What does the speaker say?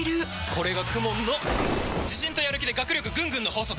これがＫＵＭＯＮの自信とやる気で学力ぐんぐんの法則！